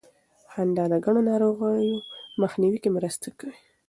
خندا د ګڼو ناروغیو مخنیوي کې مرسته کوي.